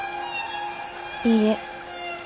いいえ。